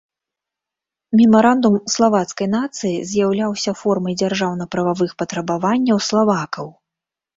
Мемарандум славацкай нацыі з'яўляўся формай дзяржаўна-прававых патрабаванняў славакаў.